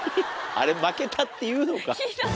あれ巻けたっていうのか？